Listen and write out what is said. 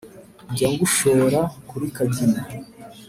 njya gushora kuri kagina,